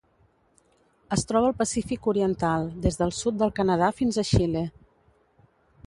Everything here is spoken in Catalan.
Es troba al Pacífic oriental: des del sud del Canadà fins a Xile.